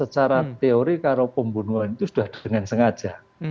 secara teori kalau pembunuhan itu sudah dengan sengaja